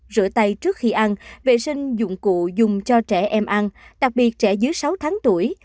rửa tay trước khi ăn vệ sinh dụng cụ dùng cho trẻ em ăn đặc biệt trẻ dưới sáu tháng tuổi